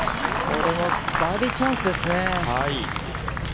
これもバーディーチャンスですね。